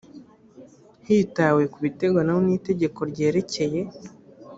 hitawe ku biteganywa n itegeko ryerekeye